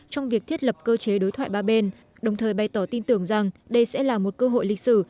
trong việc thiết lập cơ chế đối thoại ba bên đồng thời bày tỏ tin tưởng rằng đây sẽ là một cơ hội lịch sử